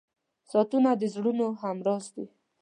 • ساعتونه د زړونو همراز دي.